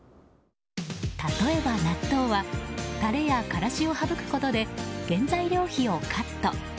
例えば、納豆はタレやからしを省くことで原材料費をカット。